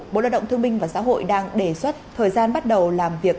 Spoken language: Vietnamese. bộ lợi động thương minh và xã hội đang đề xuất thời gian bắt đầu làm việc